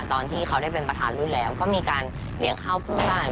ตอนที่เขาได้เป็นประธานรุ่นแล้วก็มีการเลี้ยงข้าวเพื่อบ้าน